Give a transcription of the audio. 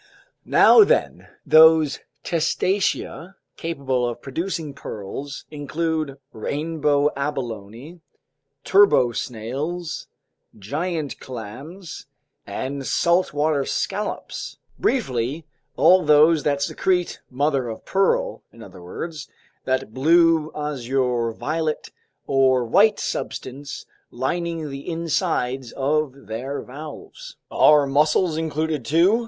Now then, those Testacea capable of producing pearls include rainbow abalone, turbo snails, giant clams, and saltwater scallops—briefly, all those that secrete mother of pearl, in other words, that blue, azure, violet, or white substance lining the insides of their valves." "Are mussels included too?"